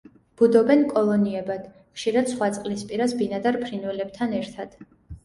ბუდობენ კოლონიებად, ხშირად სხვა წყლის პირას ბინადარ ფრინველებთან ერთად.